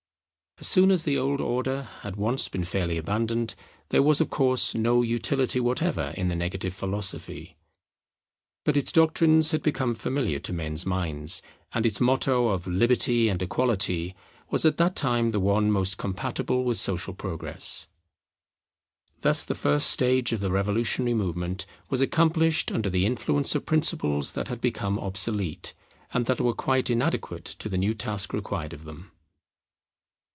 As soon as the old order had once been fairly abandoned, there was of course no utility whatever in the negative philosophy. But its doctrines had become familiar to men's minds, and its motto of 'Liberty and Equality', was at that time the one most compatible with social progress. Thus the first stage of the revolutionary movement was accomplished under the influence of principles that had become obsolete, and that were quite inadequate to the new task required of them.